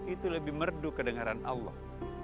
itu lebih merdu kedengaran allah